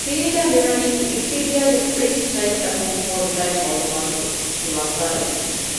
ތިރީގައި މިވަނީ ވިކިޕީޑިއާ ގެ ފްރީ ސައިޓްތަކުން ހޯދި ބައެއް މަޢުލޫމާތުގެ ޚުލާސާ އެއް